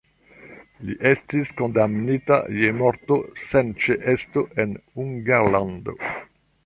Li estis kondamnita je morto sen ĉeesto en Hungarlando.